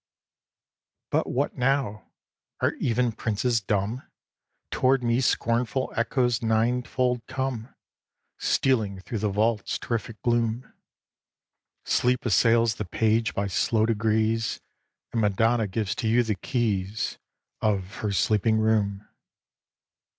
But what now? Are even princes dumb? Tow'rd me scornful echoes ninefold come, Stealing through the vault's terrific gloom Sleep assails the page by slow degrees, And Madonna gives to you the keys Of her sleeping room.